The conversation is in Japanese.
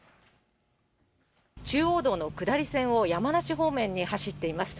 中央道の下り線を山梨方面に走っています。